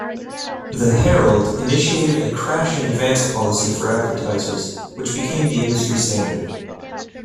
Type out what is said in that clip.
The "Herald" initiated a cash-in-advance policy for advertisers, which became the industry standard.